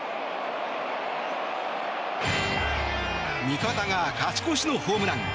味方が勝ち越しのホームラン。